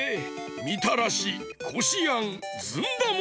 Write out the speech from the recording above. みたらしこしあんずんだもあるぞ。